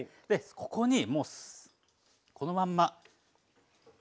ここにもうこのまんましょうが。